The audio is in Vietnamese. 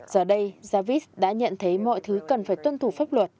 giờ đây javis đã nhận thấy mọi thứ cần phải tuân thủ pháp luật